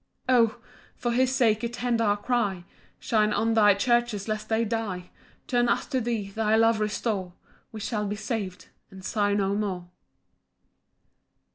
12 O! for his sake attend our cry, Shine on thy churches lest they die; Turn us to thee, thy love restore, We shall be sav'd, and sigh no more.